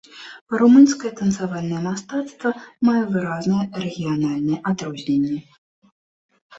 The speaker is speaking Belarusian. Румынскае танцавальнае мастацтва мае выразныя рэгіянальныя адрозненні.